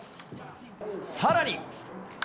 さらに。